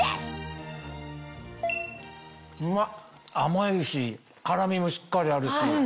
甘いし辛みもしっかりあるし。